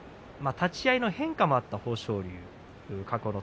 立ち合いの変化もあった豊昇龍。